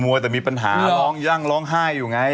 วัวแต่มีปัญหาร้องยั่งร้องไห้อยู่ไง